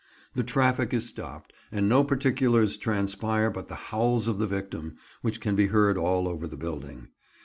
The traffic is stopped, and no particulars transpire but the howls of the victim, which can be heard all over the building.